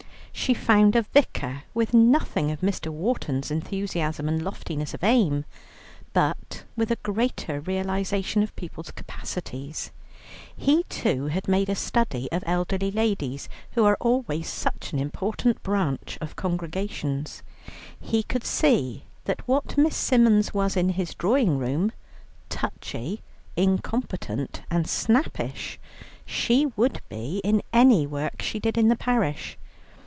She found a vicar with nothing of Mr. Wharton's enthusiasm and loftiness of aim, but with a greater realization of people's capacities. He too had made a study of elderly ladies, who are always such an important branch of congregations. He could see that what Miss Symons was in his drawing room, touchy, incompetent, and snappish she would be in any work she did in the parish.